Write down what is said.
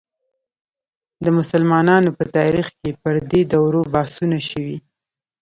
د مسلمانانو په تاریخ کې پر دې دورو بحثونه شوي.